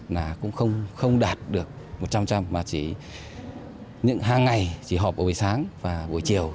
là cũng không đạt được một trăm linh trăm mà chỉ những hàng ngày chỉ họp ở buổi sáng và buổi chiều